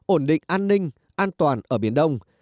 ổn định an ninh an toàn ở biển đông